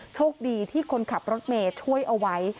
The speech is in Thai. โชคดีที่คนขับรถเมย์ช่วยเอาไว้